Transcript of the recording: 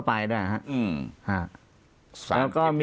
ปากกับภาคภูมิ